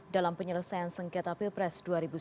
dalam penyelesaian sengketa pilpres dua ribu sembilan belas